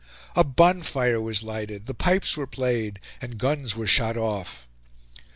A bonfire was lighted, the pipes were played, and guns were shot off.